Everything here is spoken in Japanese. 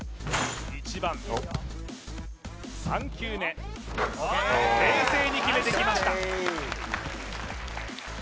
１番３球目冷静に決めてきました